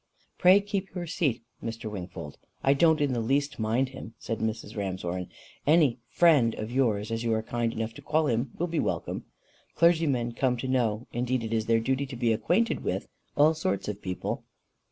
"Pray keep your seat, Mr. Wingfold. I don't in the least mind him," said Mrs. Ramshorn. "Any FRIEND of yours, as you are kind enough to call him, will be welcome. Clergymen come to know indeed it is their duty to be acquainted with all sorts of people.